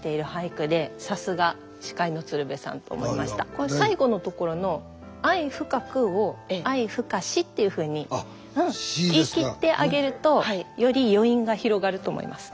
これ最後の所の「愛深く」を「愛深し」っていうふうに言い切ってあげるとより余韻が広がると思います。